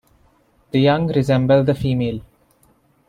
The young resemble the female.